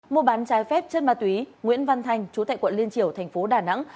mua bán trái phép chất ma túy nguyễn văn thanh chú tại quận liên triều thành phố đà nẵng